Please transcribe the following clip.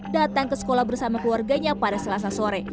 datang ke sekolah bersama keluarganya pada selasa sore